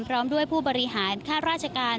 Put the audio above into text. พร้อมด้วยผู้บริหารค่าราชการ